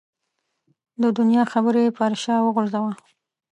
د دنیا خبرې پر شا وغورځوه.